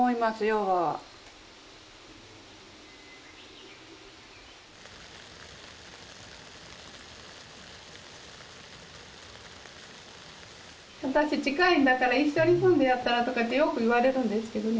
おばは私近いんだから「一緒に住んでやったら」とかよく言われるんですけどね